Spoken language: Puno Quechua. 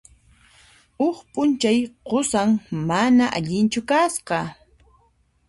Huk p'unchay qusan mana allinchu kasqa.